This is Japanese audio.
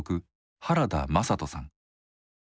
原田眞人さん。